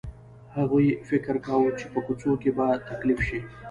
هغې فکر کاوه چې په کوڅو کې به تکليف شي.